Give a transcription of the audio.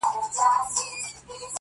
که لومړۍ ورځ يې پر غلا واى زه ترټلى-